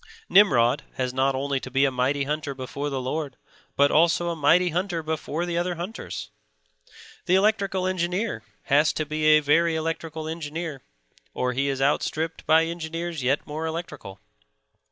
Nimrod has not only to be a mighty hunter before the Lord, but also a mighty hunter before the other hunters. The electrical engineer has to be a very electrical engineer, or he is outstripped by engineers yet more electrical.